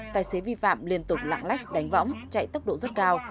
tài xế vi phạm liên tục lạng lách đánh võng chạy tốc độ rất cao